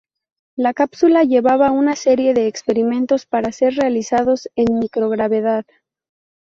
La cápsula llevaba una serie de experimentos para ser realizados en microgravedad.